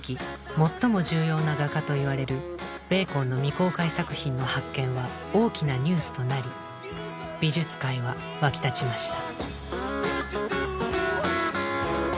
最も重要な画家と言われるベーコンの未公開作品の発見は大きなニュースとなり美術界は沸き立ちました。